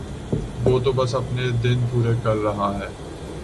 وہ تو بس اپنے دن پورے کر رہا ہے